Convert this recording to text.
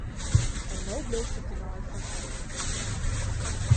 En no bliuwst der tenei fan ôf!